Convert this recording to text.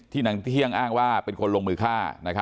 นางเที่ยงอ้างว่าเป็นคนลงมือฆ่า